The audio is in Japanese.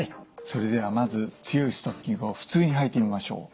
それではまず強いストッキングを普通に履いてみましょう。